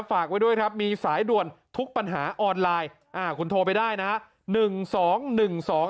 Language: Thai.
ฝากไว้ด้วยครับมีสายด่วนทุกปัญหาออนไลน์อ่าคุณโทรไปได้นะฮะ